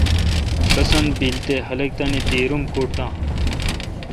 بسنت بیل تے خلق تانی دیر ام کُڈ دان۔